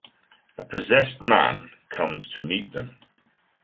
A possessed man comes to meet them.